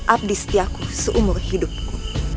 abdi setiaku seumur hidupku